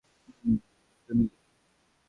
হুম, তুমি?